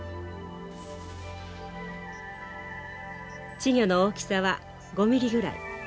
稚魚の大きさは５ミリぐらい。